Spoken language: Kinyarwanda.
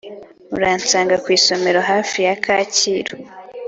Uransanga kwisomero hafi yakacyiru